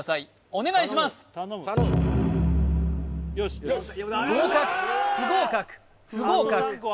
お願いします